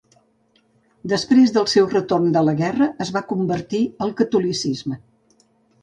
Després del seu retorn de la guerra, es va convertir al catolicisme.